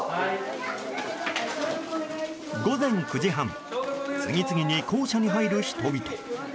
午前９時半次々に校舎に入る人々。